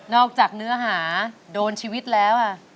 จากเนื้อหาโดนชีวิตแล้ว